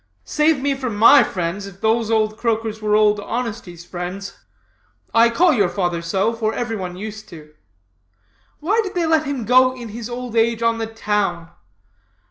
'" "'Save me from my friends, if those old croakers were Old Honesty's friends. I call your father so, for every one used to. Why did they let him go in his old age on the town?